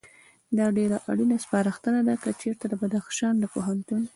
دا ډېره اړینه سپارښتنه ده، که چېرته د بدخشان د پوهنتون